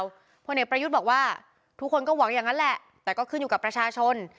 พลเอกประยุทธ์บอกว่าทุกคนก็หวังอย่างนั้นแหละแต่ก็ขึ้นอยู่กับประชาชน